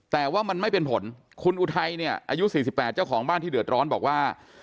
แต่ว่ามันไม่เป็นผลคุณอุทัยเนี่ยอายุ๔๘เจ้าของบ้านที่เดือดร้อนบอกว่า